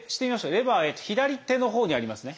レバー左手のほうにありますね。